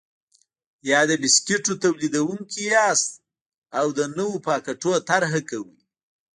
یا د بسکېټو تولیدوونکي یاست او د نویو پاکټونو طرحه کوئ.